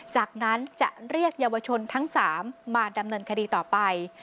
จากนั้นจะเรียกเยาวชนทั้ง๓มาดำเนินคดีต่อไป